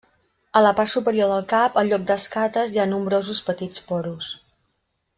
A la part superior del cap, en lloc d'escates hi ha nombrosos petits porus.